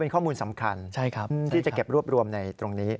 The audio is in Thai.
ข้อมูลสำคัญที่จะเก็บรวบรวมในตรงนี้